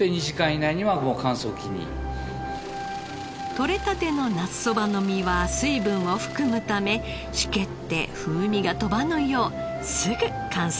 とれたての夏そばの実は水分を含むため湿気って風味が飛ばぬようすぐ乾燥させます。